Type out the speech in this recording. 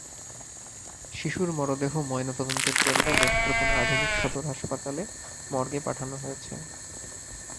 শিশুর মরদেহ ময়নাতদন্তের জন্য নেত্রকোনা আধুনিক সদর হাসপাতাল মর্গে পাঠানো হয়েছে।